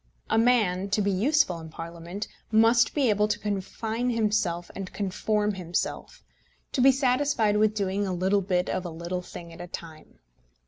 A man, to be useful in Parliament, must be able to confine himself and conform himself, to be satisfied with doing a little bit of a little thing at a time.